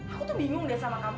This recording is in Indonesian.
aku tuh bingung deh sama kamu